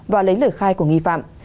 và lấy lời khai của nghi phạm